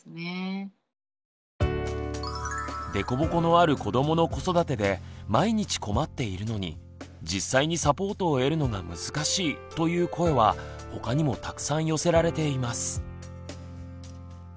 凸凹のある子どもの子育てで毎日困っているのに実際にサポートを得るのが難しいという声はほかにもたくさん寄せられています。